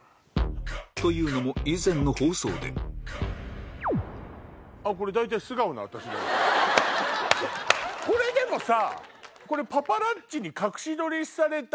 というのも以前の放送でこれでもさ。